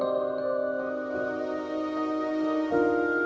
dia siapa tadi la